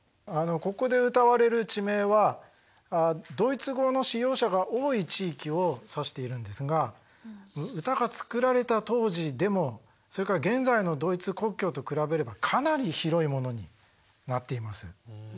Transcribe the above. ここで歌われる地名はドイツ語の使用者が多い地域を指しているんですが歌が作られた当時でもそれから現在のドイツ国境と比べればかなり広いものになっています。